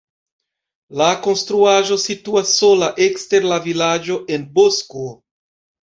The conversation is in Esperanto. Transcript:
La konstruaĵo situas sola ekster la vilaĝo en bosko.